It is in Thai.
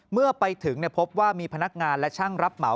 เมื่อไปถึงพบว่ามีพนักงานและช่างรับเหมา